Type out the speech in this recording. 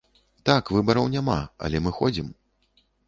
Так, выбараў няма, але мы ходзім.